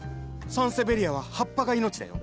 サンセベリアは葉っぱが命だよ。